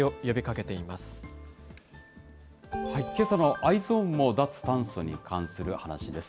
けさのＥｙｅｓｏｎも、脱炭素に関する話です。